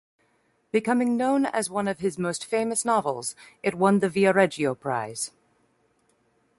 Becoming known as one of his most famous novels, it won the Viareggio Prize.